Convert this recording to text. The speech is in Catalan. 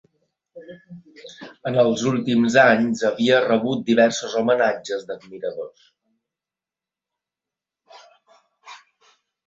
En els últims anys havia rebut diversos homenatges d'admiradors.